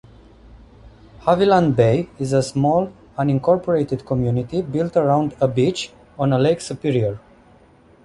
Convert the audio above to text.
Havilland Bay is a small unincorporated community built around a beach on Lake Superior.